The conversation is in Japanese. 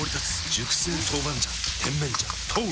熟成豆板醤甜麺醤豆！